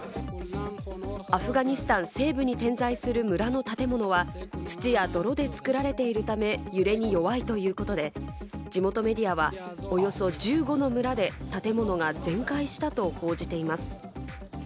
アフガニスタン西部に点在する村の建物は土や泥で作られているため、揺れに弱いということで、地元メディアはおよそ１５の村で建物が全壊したと報じています。